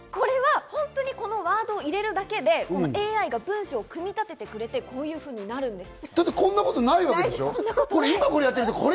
本当にこのワードを入れるだけでＡＩが文章を組み立ててくれてこういうふうになるんです。